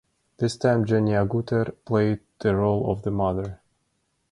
This time Jenny Agutter played the role of the mother.